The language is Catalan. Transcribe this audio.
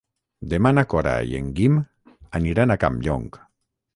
Demà na Cora i en Guim aniran a Campllong.